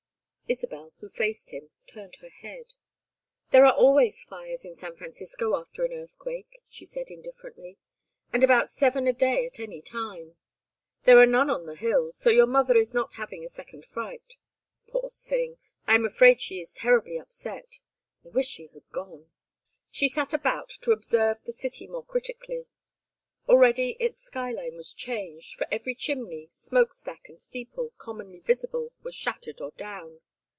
Isabel, who faced him, turned her head. "There are always fires in San Francisco after an earthquake," she said, indifferently. "And about seven a day at any time. There are none on the hills, so your mother is not having a second fright. Poor thing! I am afraid she is terribly upset. I wish she had gone." She sat about, to observe the city more critically. Already its sky line was changed, for every chimney, smokestack, and steeple, commonly visible, was shattered or down.